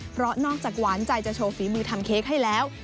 เพรานอกจากหวานใจจะโชว์ฝีมือให้ได้แล้ว